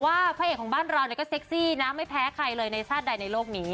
พระเอกของบ้านเราก็เซ็กซี่นะไม่แพ้ใครเลยในชาติใดในโลกนี้